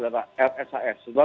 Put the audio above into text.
ada di indonesia